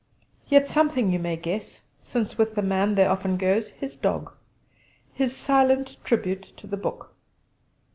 Yet something you may guess, since with the man there often goes his dog; his silent tribute to The Book.